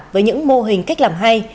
với những mô hình cách làm hay